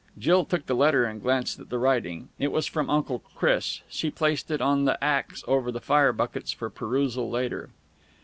Jill took the letter, and glanced at the writing. It was from Uncle Chris. She placed it on the axe over the fire buckets for perusal later.